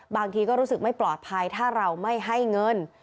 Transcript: บางทีก็รู้สึกไม่ปลอดภัยถ้าเราไม่ให้เงิน